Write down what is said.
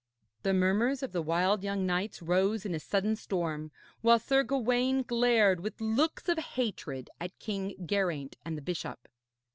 The murmurs of the wild young knights rose in a sudden storm, while Sir Gawaine glared with looks of hatred at King Geraint and the bishop.